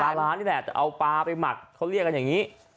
ตลาดปลาร้านนี่แหละเอาปลาไปหมักเขาเรียกอย่างงี้